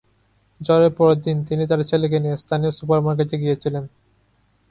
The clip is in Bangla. ঝড়ের পরের দিন তিনি তার ছেলেকে নিয়ে স্থানীয় সুপারমার্কেটে গিয়েছিলেন।